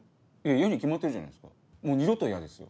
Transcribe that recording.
嫌に決まってるじゃないですかもう二度と嫌ですよ。